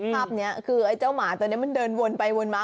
ภาพนี้คือไอ้เจ้าหมาตัวนี้มันเดินวนไปวนมา